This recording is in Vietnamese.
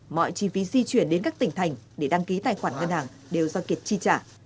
mọi chi phí di chuyển đến các tỉnh thành để đăng ký tài khoản ngân hàng đều do kiệt chi trả